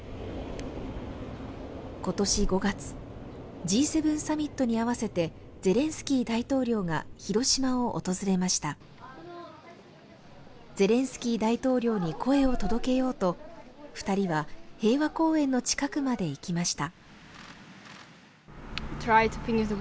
今年５月Ｇ７サミットに合わせてゼレンスキー大統領が広島を訪れましたゼレンスキー大統領に声を届けようと二人は平和公園の近くまで行きました